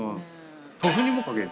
豆腐にもかける。